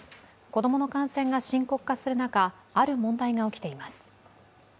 子供の感染が深刻化する中、ある問題が起きています。